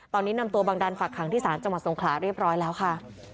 ตอนนี้นำตัวบังดันฝากขังที่ศาลจังหวัดสงขลาเรียบร้อยแล้วค่ะ